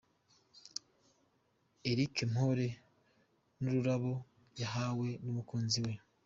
Eric Mpore n'ururabo yahawe n'umukunzi we.